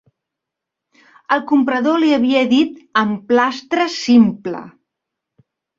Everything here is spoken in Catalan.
El comprador li havia dit «emplastre simple»